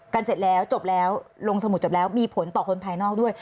เสร็จแล้วจบแล้วลงสมุดจบแล้วมีผลต่อคนภายนอกด้วย